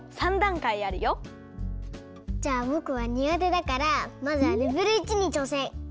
じゃあぼくはにがてだからまずはレベル１にちょうせん。